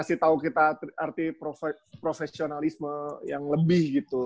ngasih tau kita arti profesionalisme yang lebih gitu